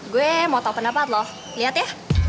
gue mau tau pendapat lo liat ya